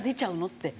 って。